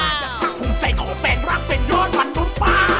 พรุ่งใจของแปลงรักเป็นโยนบรรตุป้า